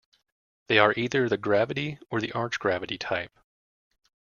They are either the gravity or the arch-gravity type.